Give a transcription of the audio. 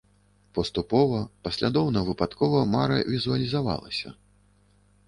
Паступова, паслядоўна-выпадкова мара візуалізавалася.